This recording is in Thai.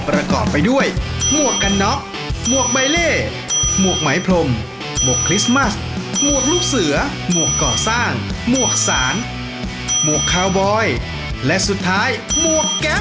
ประกอบไปด้วยหมวกกันน็อกหมวกใบเล่หมวกไหมพรมหมวกคริสต์มัสหมวกลูกเสือหมวกก่อสร้างหมวกสารหมวกคาวบอยและสุดท้ายหมวกแก๊ส